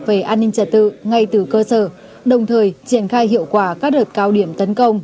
về an ninh trật tự ngay từ cơ sở đồng thời triển khai hiệu quả các đợt cao điểm tấn công